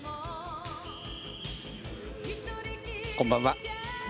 こんばんは。